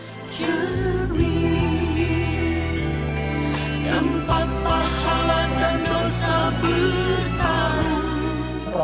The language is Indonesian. jemim tempat pahala dan dosa bertarung